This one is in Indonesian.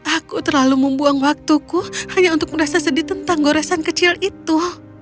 aku terlalu membuang waktuku hanya untuk merasa sedih tentang goresan kecil itu